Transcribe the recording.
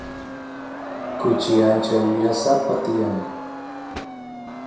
kuchi ancha wirasapa tiyan